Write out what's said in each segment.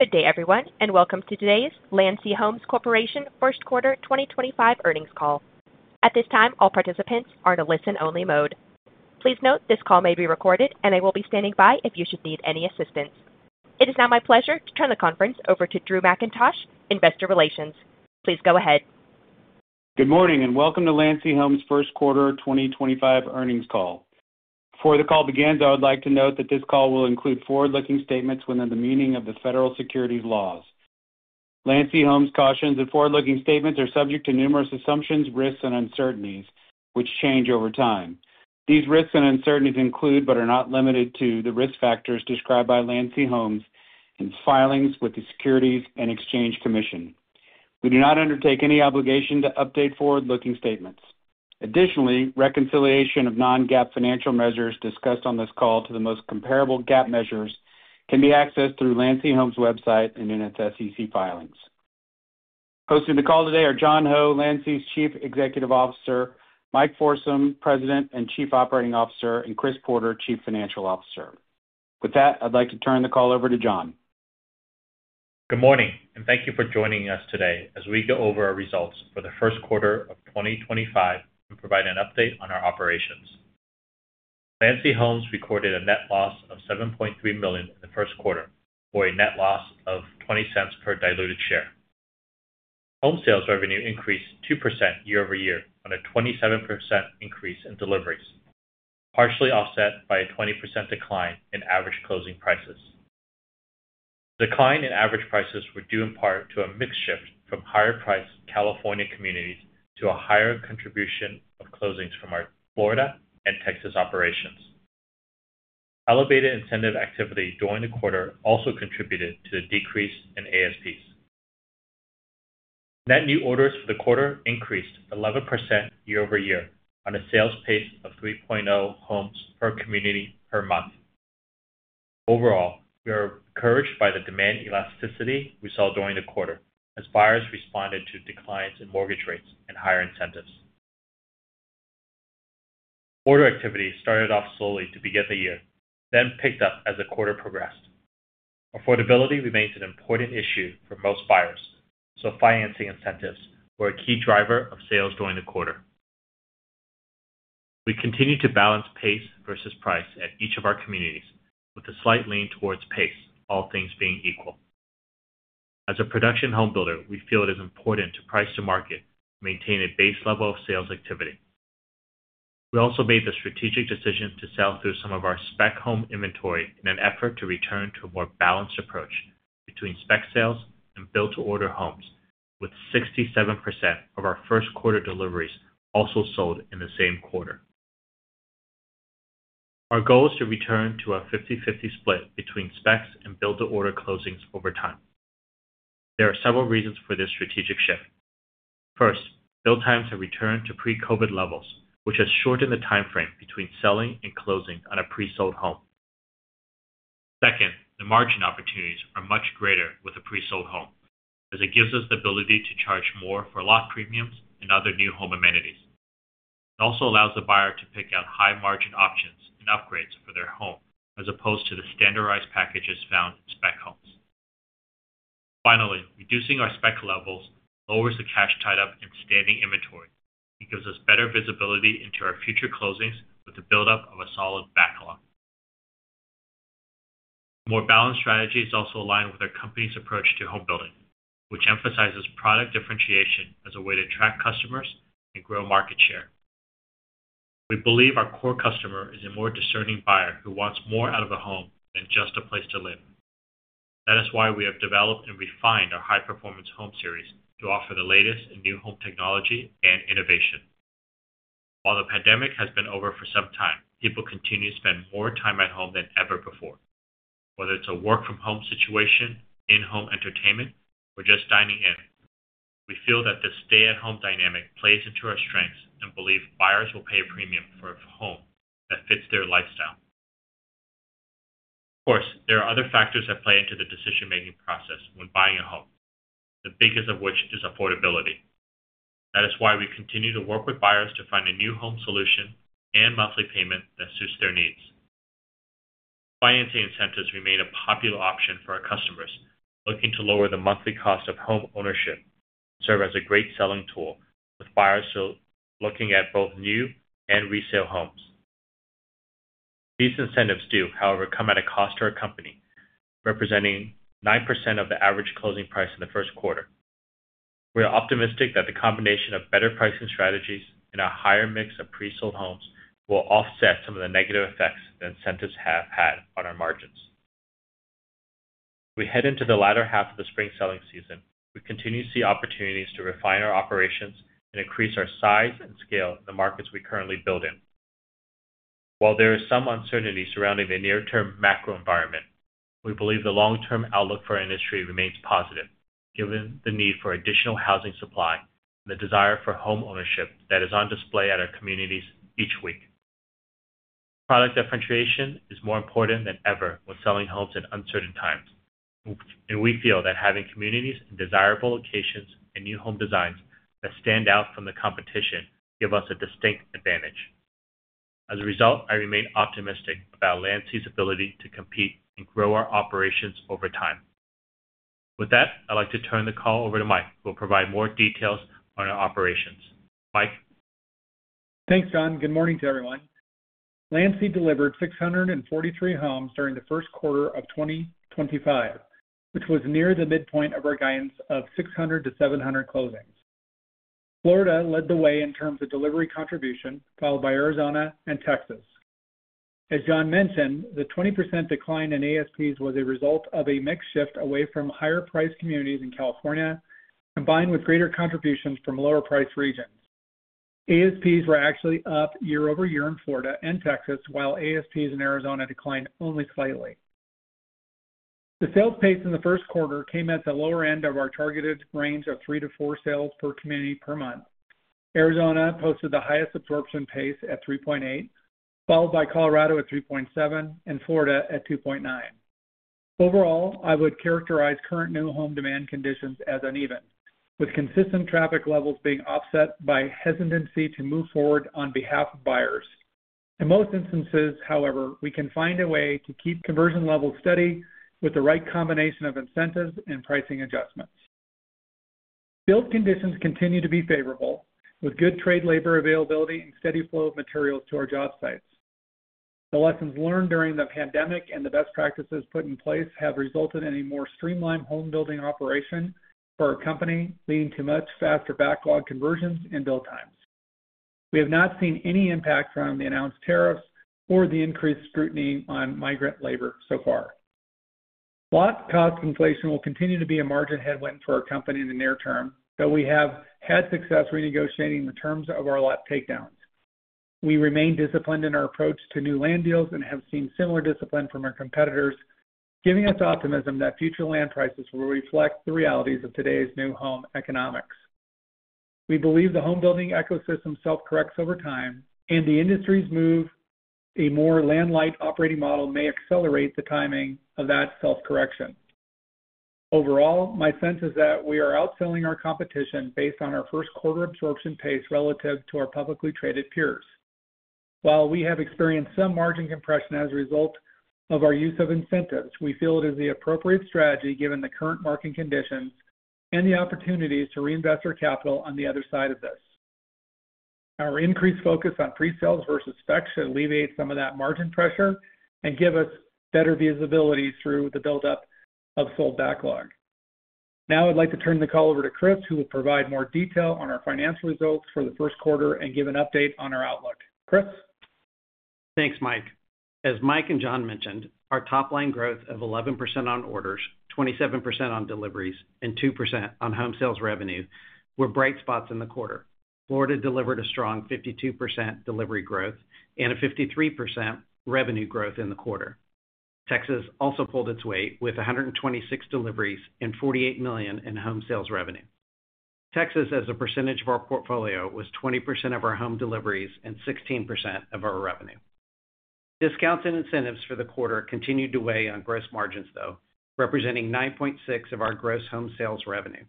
Good day, everyone, and welcome to today's Landsea Homes Corporation first quarter 2025 earnings call. At this time, all participants are in a listen-only mode. Please note this call may be recorded, and I will be standing by if you should need any assistance. It is now my pleasure to turn the conference over to Drew Mackintosh, Investor Relations. Please go ahead. Good morning and welcome to Landsea Homes first quarter 2025 earnings call. Before the call begins, I would like to note that this call will include forward-looking statements within the meaning of the federal securities laws. Landsea Homes cautions that forward-looking statements are subject to numerous assumptions, risks, and uncertainties, which change over time. These risks and uncertainties include, but are not limited to, the risk factors described by Landsea Homes in filings with the Securities and Exchange Commission. We do not undertake any obligation to update forward-looking statements. Additionally, reconciliation of non-GAAP financial measures discussed on this call to the most comparable GAAP measures can be accessed through Landsea Homes' website and in its SEC filings. Hosting the call today are John Ho, Landsea's Chief Executive Officer, Mike Forsum, President and Chief Operating Officer, and Chris Porter, Chief Financial Officer. With that, I'd like to turn the call over to John. Good morning, and thank you for joining us today as we go over our results for the first quarter of 2025 and provide an update on our operations. Landsea Homes recorded a net loss of $7.3 million in the first quarter for a net loss of $0.20 per diluted share. Home sales revenue increased 2% year-over-year on a 27% increase in deliveries, partially offset by a 20% decline in average closing prices. The decline in average prices was due in part to a mix shift from higher-priced California communities to a higher contribution of closings from our Florida and Texas operations. Elevated incentive activity during the quarter also contributed to the decrease in ASPs. Net new orders for the quarter increased 11% year over year on a sales pace of 3.0 homes per community per month. Overall, we are encouraged by the demand elasticity we saw during the quarter as buyers responded to declines in mortgage rates and higher incentives. Order activity started off slowly to begin the year, then picked up as the quarter progressed. Affordability remains an important issue for most buyers, so financing incentives were a key driver of sales during the quarter. We continue to balance pace versus price at each of our communities, with a slight lean towards pace, all things being equal. As a production home builder, we feel it is important to price to market to maintain a base level of sales activity. We also made the strategic decision to sell through some of our spec home inventory in an effort to return to a more balanced approach between spec sales and build-to-order homes, with 67% of our first quarter deliveries also sold in the same quarter. Our goal is to return to a 50-50 split between specs and build-to-order closings over time. There are several reasons for this strategic shift. First, build times have returned to pre-COVID levels, which has shortened the time frame between selling and closing on a pre-sold home. Second, the margin opportunities are much greater with a pre-sold home, as it gives us the ability to charge more for lock premiums and other new home amenities. It also allows the buyer to pick out high-margin options and upgrades for their home, as opposed to the standardized packages found in spec homes. Finally, reducing our spec levels lowers the cash tied up in standing inventory and gives us better visibility into our future closings with the build-up of a solid backlog. More balanced strategies also align with our company's approach to home building, which emphasizes product differentiation as a way to attract customers and grow market share. We believe our core customer is a more discerning buyer who wants more out of a home than just a place to live. That is why we have developed and refined our high-performance home series to offer the latest in new home technology and innovation. While the pandemic has been over for some time, people continue to spend more time at home than ever before, whether it's a work-from-home situation, in-home entertainment, or just dining in. We feel that this stay-at-home dynamic plays into our strengths and believe buyers will pay a premium for a home that fits their lifestyle. Of course, there are other factors that play into the decision-making process when buying a home, the biggest of which is affordability. That is why we continue to work with buyers to find a new home solution and monthly payment that suits their needs. Financing incentives remain a popular option for our customers looking to lower the monthly cost of home ownership and serve as a great selling tool with buyers looking at both new and resale homes. These incentives do, however, come at a cost to our company, representing 9% of the average closing price in the first quarter. We are optimistic that the combination of better pricing strategies and a higher mix of pre-sold homes will offset some of the negative effects that incentives have had on our margins. As we head into the latter half of the spring selling season, we continue to see opportunities to refine our operations and increase our size and scale in the markets we currently build in. While there is some uncertainty surrounding the near-term macro environment, we believe the long-term outlook for our industry remains positive, given the need for additional housing supply and the desire for home ownership that is on display at our communities each week. Product differentiation is more important than ever when selling homes in uncertain times, and we feel that having communities in desirable locations and new home designs that stand out from the competition gives us a distinct advantage. As a result, I remain optimistic about Landsea Homes' ability to compete and grow our operations over time. With that, I'd like to turn the call over to Mike, who will provide more details on our operations. Mike. Thanks, John. Good morning to everyone. Landsea delivered 643 homes during the first quarter of 2025, which was near the midpoint of our guidance of 600-700 closings. Florida led the way in terms of delivery contribution, followed by Arizona and Texas. As John mentioned, the 20% decline in ASPs was a result of a mix shift away from higher-priced communities in California, combined with greater contributions from lower-priced regions. ASPs were actually up year over year in Florida and Texas, while ASPs in Arizona declined only slightly. The sales pace in the first quarter came at the lower end of our targeted range of three to four sales per community per month. Arizona posted the highest absorption pace at 3.8, followed by Colorado at 3.7, and Florida at 2.9. Overall, I would characterize current new home demand conditions as uneven, with consistent traffic levels being offset by hesitancy to move forward on behalf of buyers. In most instances, however, we can find a way to keep conversion levels steady with the right combination of incentives and pricing adjustments. Build conditions continue to be favorable, with good trade labor availability and steady flow of materials to our job sites. The lessons learned during the pandemic and the best practices put in place have resulted in a more streamlined home building operation for our company, leading to much faster backlog conversions and build times. We have not seen any impact from the announced tariffs or the increased scrutiny on migrant labor so far. Lot cost inflation will continue to be a margin headwind for our company in the near term, though we have had success renegotiating the terms of our lot takedowns. We remain disciplined in our approach to new land deals and have seen similar discipline from our competitors, giving us optimism that future land prices will reflect the realities of today's new home economics. We believe the home building ecosystem self-corrects over time, and the industry's move, a more land-light operating model, may accelerate the timing of that self-correction. Overall, my sense is that we are outselling our competition based on our first quarter absorption pace relative to our publicly traded peers. While we have experienced some margin compression as a result of our use of incentives, we feel it is the appropriate strategy given the current market conditions and the opportunities to reinvest our capital on the other side of this. Our increased focus on pre-sales versus spec should alleviate some of that margin pressure and give us better visibility through the build-up of sold backlog. Now, I'd like to turn the call over to Chris, who will provide more detail on our financial results for the first quarter and give an update on our outlook. Chris. Thanks, Mike. As Mike and John mentioned, our top-line growth of 11% on orders, 27% on deliveries, and 2% on home sales revenue were bright spots in the quarter. Florida delivered a strong 52% delivery growth and a 53% revenue growth in the quarter. Texas also pulled its weight with 126 deliveries and $48 million in home sales revenue. Texas, as a percentage of our portfolio, was 20% of our home deliveries and 16% of our revenue. Discounts and incentives for the quarter continued to weigh on gross margins, though, representing 9.6% of our gross home sales revenue.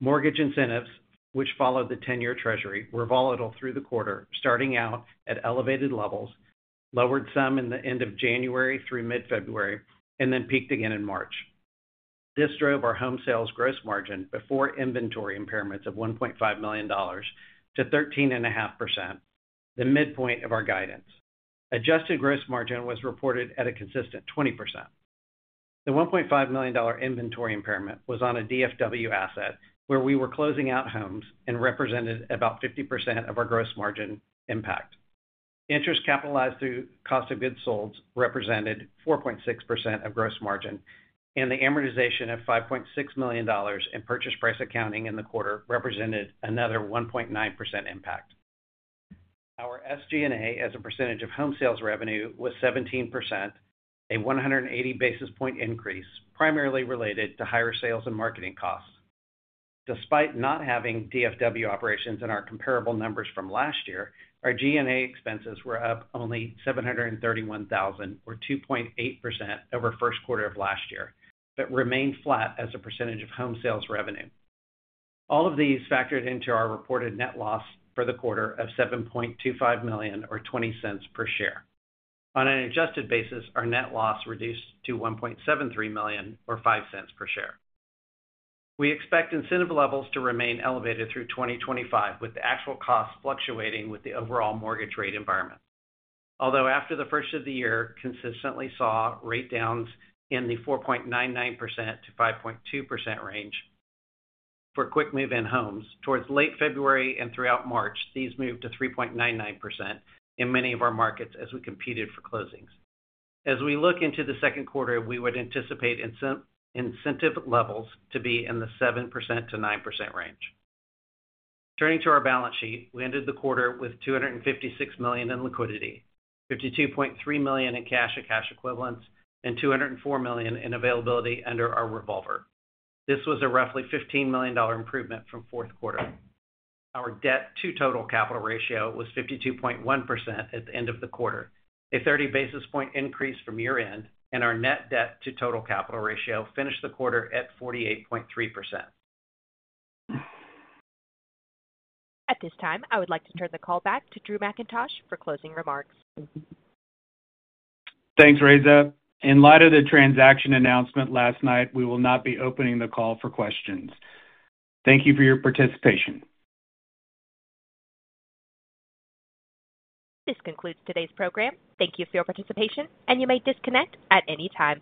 Mortgage incentives, which followed the 10-year Treasury, were volatile through the quarter, starting out at elevated levels, lowered some in the end of January through mid-February, and then peaked again in March. This drove our home sales gross margin before inventory impairments of $1.5 million to 13.5%, the midpoint of our guidance. Adjusted gross margin was reported at a consistent 20%. The $1.5 million inventory impairment was on a DFW asset where we were closing out homes and represented about 50% of our gross margin impact. Interest capitalized through cost of goods sold represented 4.6% of gross margin, and the amortization of $5.6 million in purchase price accounting in the quarter represented another 1.9% impact. Our SG&A as a percentage of home sales revenue was 17%, a 180 basis point increase, primarily related to higher sales and marketing costs. Despite not having DFW operations in our comparable numbers from last year, our G&A expenses were up only $731,000, or 2.8% over first quarter of last year, but remained flat as a percentage of home sales revenue. All of these factored into our reported net loss for the quarter of $7.25 million, or $0.20 per share. On an adjusted basis, our net loss reduced to $1.73 million, or $0.05 per share. We expect incentive levels to remain elevated through 2025, with the actual costs fluctuating with the overall mortgage rate environment. Although after the first of the year consistently saw rate downs in the 4.99%-5.2% range for quick move-in homes, towards late February and throughout March, these moved to 3.99% in many of our markets as we competed for closings. As we look into the second quarter, we would anticipate incentive levels to be in the 7%-9% range. Turning to our balance sheet, we ended the quarter with $256 million in liquidity, $52.3 million in cash and cash equivalents, and $204 million in availability under our revolver. This was a roughly $15 million improvement from fourth quarter. Our debt-to-total capital ratio was 52.1% at the end of the quarter, a 30 basis point increase from year-end, and our net debt-to-total capital ratio finished the quarter at 48.3%. At this time, I would like to turn the call back to Drew Mackintosh for closing remarks. Thanks, Raza. In light of the transaction announcement last night, we will not be opening the call for questions. Thank you for your participation. This concludes today's program. Thank you for your participation, and you may disconnect at any time.